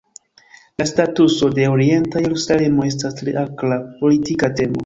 La statuso de Orienta Jerusalemo estas tre akra politika temo.